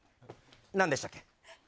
何でしたっけ？